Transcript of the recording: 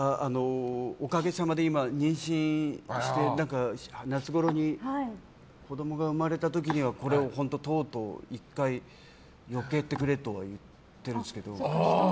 おかげさまで今、妊娠して夏ごろに子供が生まれた時にはこれをとうとう１回のけてくれと言われてるんですけど。